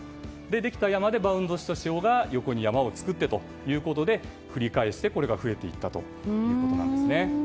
できた山でバウンドした潮が横に山を作ってということで繰り返して、これが増えていったということです。